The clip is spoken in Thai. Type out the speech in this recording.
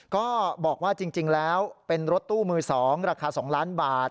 ก็บอกว่าจริงแล้วเป็นรถตู้มือ๒ราคา๒ล้านบาท